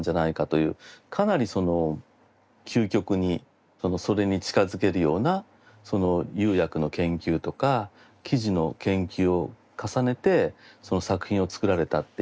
かなり究極にそれに近づけるような釉薬の研究とか生地の研究を重ねて作品を作られたっていう。